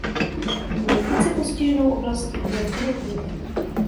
Nejvíce postiženou oblastí byly Filipíny.